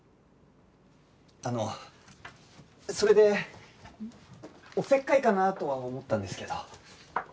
あのそれでおせっかいかなとは思ったんですけど。